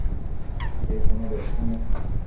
এর কোনও ব্যাখ্যা নেই।